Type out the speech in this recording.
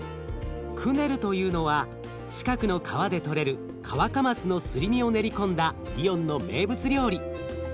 クネルというのは近くの川で取れるカワカマスのすり身を練り込んだリヨンの名物料理。